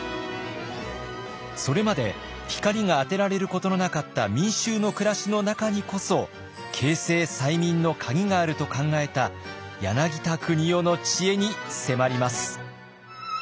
それまで光が当てられることのなかった民衆の暮らしの中にこそ経世済民のカギがあると考えた柳田国男の知恵に迫ります。